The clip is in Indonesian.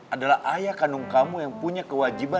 adalah ayah kandung kamu yang punya kewajiban